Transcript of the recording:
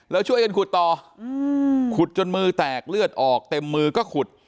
แล้วช่วยกันขุดต่อขุดจนมือแตกเลือดออกเต็มมือก็ขุด